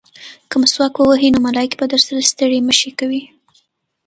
که مسواک ووهې نو ملایکې به درسره ستړې مه شي کوي.